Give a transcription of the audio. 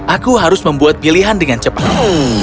aku harus membuat pilihan dengan cepat